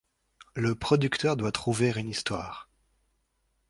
Le producteur doit trouver une histoire.